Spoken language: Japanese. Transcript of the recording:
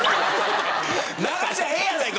流しゃええやないか！